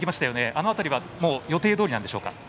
あの辺りは予定どおりでしょうか。